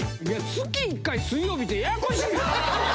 月１回水曜日ってややこしいな！